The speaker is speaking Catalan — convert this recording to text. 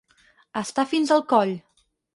Estar fins al coll.